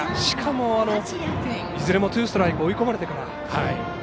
しかも、いずれもツーストライク追い込まれてから。